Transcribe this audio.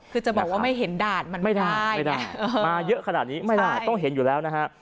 คือจะบอกว่าไม่เห็นด่านมันไม่ได้ไม่ได้มาเยอะขนาดนี้ไม่ได้ต้องเห็นอยู่แล้วนะฮะ